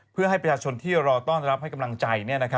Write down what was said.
เพื่อให้ประชาชนที่รอต้อนรับให้กำลังใจ